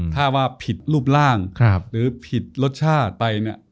ถ้าว่าผิดรูปร่างหรือผิดรสชาติไปเนี่ย